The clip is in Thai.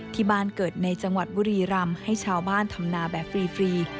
ที่บ้านเกิดในจังหวัดบุรีรำให้ชาวบ้านทำนาแบบฟรี